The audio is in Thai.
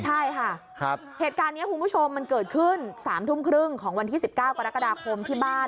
ใช่ค่ะเหตุการณ์นี้คุณผู้ชมมันเกิดขึ้น๓ทุ่มครึ่งของวันที่๑๙กรกฎาคมที่บ้าน